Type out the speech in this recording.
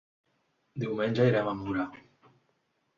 Diumenge irem a Mura.